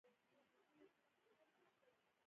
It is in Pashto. مالګه پکې حل شوې اوبه په صفر درجه کې نه منجمد کیږي.